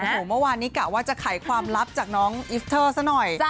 โอ้โหเมื่อวานนี้กะว่าจะไขความลับจากน้องอิสเตอร์ซะหน่อย